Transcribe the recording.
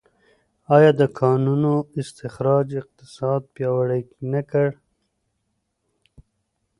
آیا د کانونو استخراج اقتصاد پیاوړی نه کړ؟